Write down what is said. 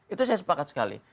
itu saya sepakat sekali